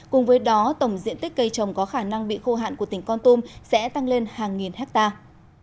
cùng với đó tổng diện tích cây trồng có khả năng bị khô hạn của tỉnh con tum sẽ tăng lên hàng nghìn hectare